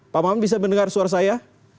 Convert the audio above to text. pak maman bisa mendengar suara saya